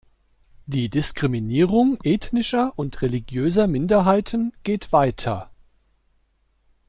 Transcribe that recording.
Die Diskriminierung ethnischer und religiöser Minderheiten geht weiter.